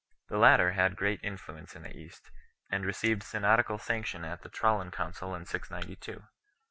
The latter had great influence in the East, and received synodical sanction at the Trullan council 2 in 692.